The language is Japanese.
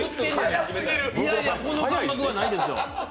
いやいや、この感覚はないですよ。